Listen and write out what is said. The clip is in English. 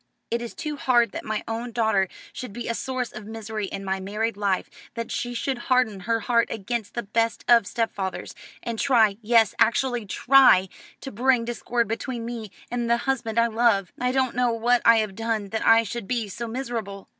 "It is too hard that my own daughter should be a source of misery in my married life, that she should harden her heart against the best of stepfathers, and try, yes, actually try, to bring discord between me and the husband I love. I don't know what I have done that I should be so miserable."